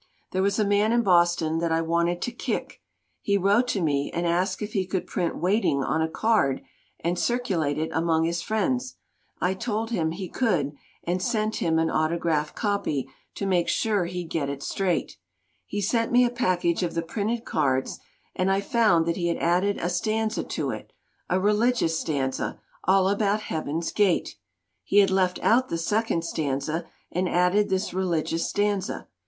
"There was a man in Boston that I wanted to kick! He wrote to me and asked if he could print Waiting on a card and circulate it among his friends. I told him he could, and sent him 224 CITY LIFE PS. LITERATURE an autographed copy to make sure he'd get it straight. He sent me a package of the printed cards, and I found that he had added a stanza to it a religious stanza, all about Heaven's gate! He had left out the second stanza, and added this religious stanza.